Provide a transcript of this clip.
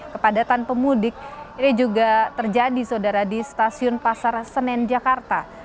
kepadatan pemudik ini juga terjadi saudara di stasiun pasar senen jakarta